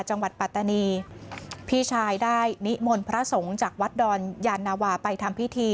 ปัตตานีพี่ชายได้นิมนต์พระสงฆ์จากวัดดอนยานาวาไปทำพิธี